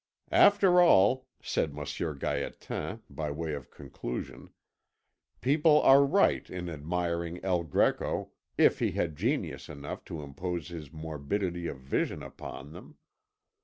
"After all," said Monsieur Gaétan, by way of conclusion, "people are right in admiring El Greco if he had genius enough to impose his morbidity of vision upon them.